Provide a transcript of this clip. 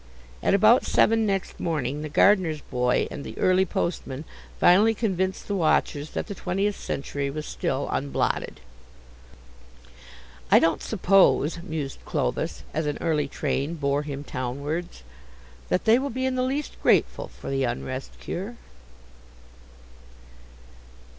At about seven next morning the gardener's boy and the early postman finally convinced the watchers that the Twentieth Century was still unblotted. "I don't suppose," mused Clovis, as an early train bore him townwards, "that they will be in the least grateful for the Unrest cure."